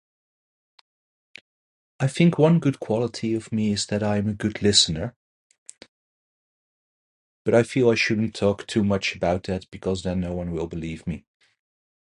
I think one good quality of me is that I am a good listener. But I feel I shouldn't talk too much about that because then no one will believe me.